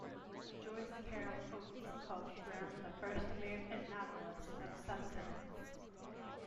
Joyce Carol Oates calls Brown "the first American novelist of substance".